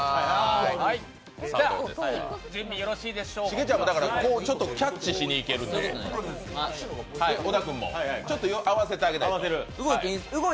シゲちゃんもキャッチしにいけるんで小田君も、ちょっと合わせてあげてください。